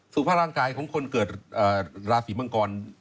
สุขภาพร่างกายของคนเกิดราศีมังกร